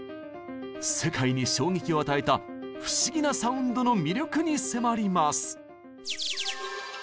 世界に衝撃を与えた不思議なサウンドの魅力に迫ります。